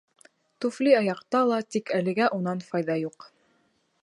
Туфли аяҡта ла, тик әлегә унан файҙа юҡ.